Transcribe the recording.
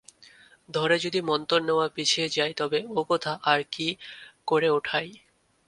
ধরে যদি মন্তর নেওয়া পিছিয়ে যায়, তবে ওকথা আর কি করে ওঠাই?